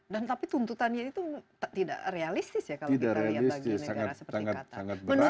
tapi tuntutannya itu tidak realistis ya kalau kita lihat bagi negara seperti qatar